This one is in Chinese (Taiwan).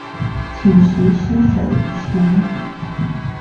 請實施者釐清